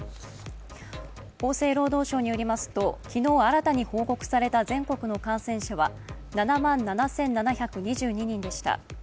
厚生労働省によりますと昨日新たに報告された全国の感染者は７万７７２２人でした。